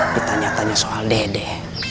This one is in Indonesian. ditanya tanya soal dede